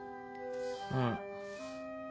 うん。